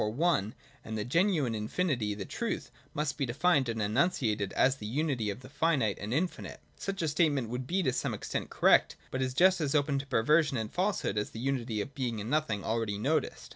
II. N 178 THE DOCTRINE OF BEING. [95 one, and that the genuine infinity, the truth, must be defined and enunciated as the unity of the finite and infinite. Such a statement would be to some extent correct ; but is just as open to perversion and falsehood as the unity of Being and Nothing already noticed.